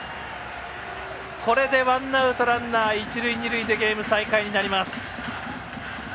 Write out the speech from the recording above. これで、ワンアウトランナー、一塁二塁でゲーム再開になります。